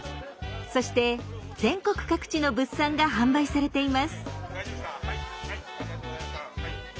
そして全国各地の物産が販売されています。